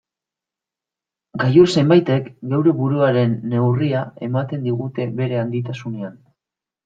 Gailur zenbaitek geure buruaren neurria ematen digute beren handitasunean.